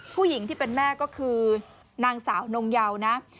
ที่เป็นแม่ก็คือนางสาวนงเยานะ